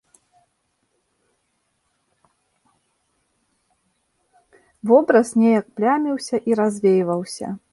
Вобраз неяк пляміўся і развейваўся.